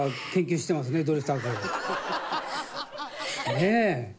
ねえ。